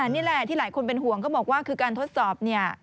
นี่แหละที่หลายคนเป็นห่วงก็บอกว่าคือการทดสอบเนี่ย